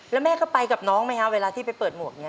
แล้วแม่ก็ไปกับน้องไหมคะเวลาที่ไปเปิดหมวกนี้